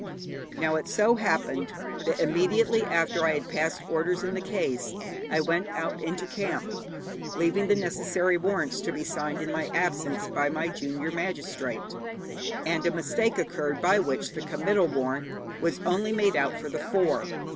Now, it so happened that immediately after I had passed orders in the case I went out into camp, leaving the necessary warrants to be signed in my absence by my junior magistrate, and a mistake occurred by which the committal warrant was only made out for the four.